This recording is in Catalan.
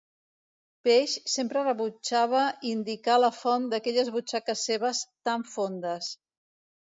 Page sempre rebutjava indicar la font d'aquelles butxaques seves "tan fondes".